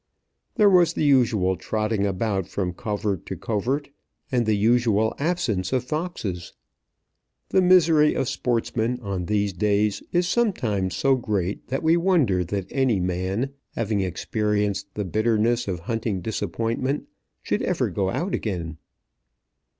There was the usual trotting about from covert to covert, and the usual absence of foxes. The misery of sportsmen on these days is sometimes so great that we wonder that any man, having experienced the bitterness of hunting disappointment, should ever go out again.